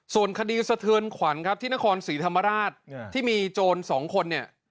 ส่วนคดีสะทืนขวัญที่นครศรีธรรมราชที่มีโจรสองคน